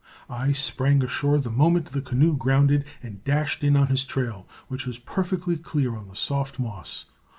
I sprang ashore the moment the canoe grounded, and dashed in on his trail, which was perfectly clear on the soft moss.